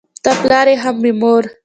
ته پلار یې هم مې مور